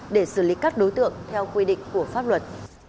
để xử lý các đối tượng theo quy định của pháp luật